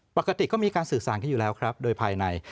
ปกติก็มีการศึกษาอยู่แล้วครับโดยภายใน